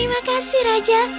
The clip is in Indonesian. terima kasih raja